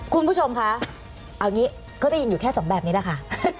คุณผู้ชมคะเอางี้ก็ได้ยินอยู่แค่สองแบบนี้แหละค่ะ